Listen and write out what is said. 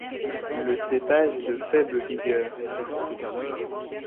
Le cépage est de faible vigueur et fertile.